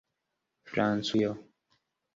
francujo